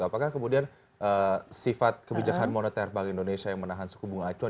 apakah kemudian sifat kebijakan moneter bank indonesia yang menahan suku bunga acuan